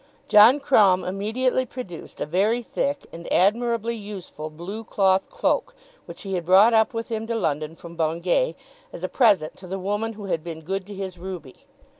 John Crumb immediately produced a very thick and admirably useful blue cloth cloak, which he had brought up with him to London from Bungay, as a present to the woman who had been good to his Ruby.